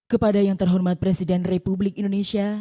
kepada yang terhormat presiden republik indonesia